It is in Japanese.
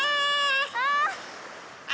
ああ！